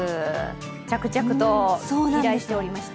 着々と飛来しておりまして。